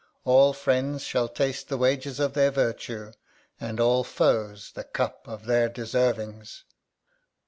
All friends shall taste The wages of their virtue, and all foes The cup of their deservings.